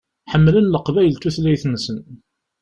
Ḥemmlen Leqbayel tutlayt-nsen.